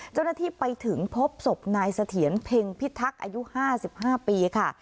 เจ้าหน้าที่ไปถึงพบศพนายเสถียรเพ็งพิทักษ์อายุ๕๕ปีค่ะ